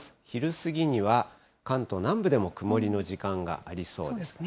昼過ぎには、関東南部でも曇りの時間がありそうです。